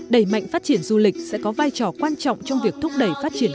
đẩy mạnh phát triển du lịch sẽ có vai trò quan trọng trong việc thúc đẩy phát triển